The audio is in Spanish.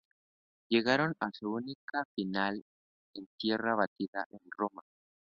Llegaron a su única final en tierra batida en Roma.